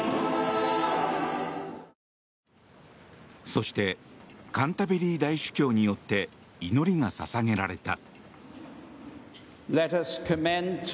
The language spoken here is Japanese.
そしてカンタベリー大主教によって祈りが捧げられた。